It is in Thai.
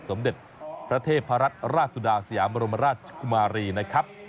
สมเด็จพระเทพรัตนราชสุดาสยามรมราชกุมารีนะครับ